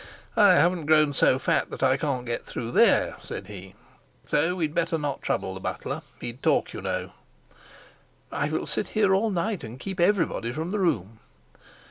"I haven't grown so fat that I can't get through there," said he. "So we'd better not trouble the butler. He'd talk, you know." "I will sit here all night and keep everybody from the room."